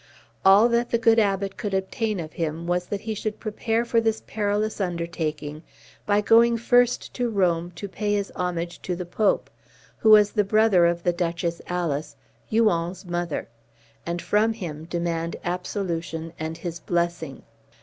All that the good Abbot could obtain of him was, that he should prepare for this perilous undertaking by going first to Rome, to pay his homage to the Pope, who was the brother of the Duchess Alice, Huon's mother, and from him demand absolution and his blessing.